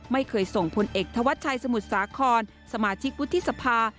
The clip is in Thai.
ไม่เคยส่งพลเอกธวัชชัยสมุทรสาครสมาชิกวุฒิสภา